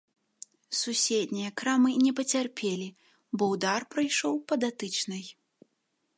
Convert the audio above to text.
Суседнія крамы не пацярпелі, бо ўдар прайшоў па датычнай.